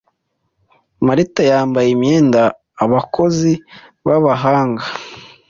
Marita yambaye imyenda abakozi babahanga